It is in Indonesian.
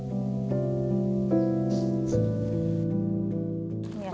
mencari uang untuk mencari uang